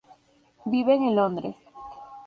Viven en Londres.